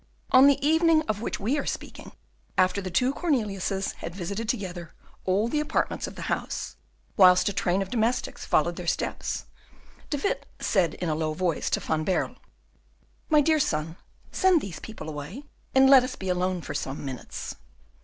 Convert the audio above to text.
On the evening of which we are speaking, after the two Corneliuses had visited together all the apartments of the house, whilst a train of domestics followed their steps, De Witt said in a low voice to Van Baerle, "My dear son, send these people away, and let us be alone for some minutes."